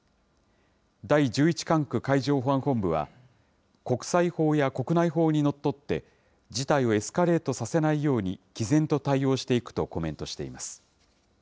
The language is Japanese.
第１１管区海上保安本部は、国際法や国内法にのっとって、事態をエスカレートさせないようにきぜんと対応していくとコメントしています。